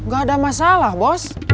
gak ada masalah bos